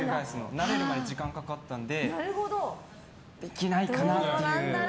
慣れるまでに時間かかったのでできないかなっていう。